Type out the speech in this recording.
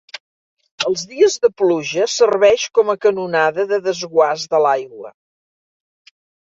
Els dies de pluja serveix com a canonada de desguàs de l'aigua.